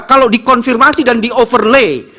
kalau dikonfirmasi dan di overlay